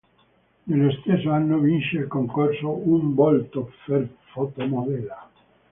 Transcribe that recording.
Nello stesso anno vince il concorso "Un volto per Fotomodella".